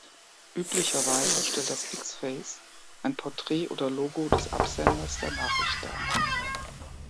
Üblicherweise stellt das X-Face ein Porträt oder Logo des Absenders der Nachricht dar.